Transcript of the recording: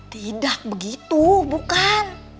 tidak begitu bukan